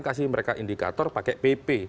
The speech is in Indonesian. kasih mereka indikator pakai pp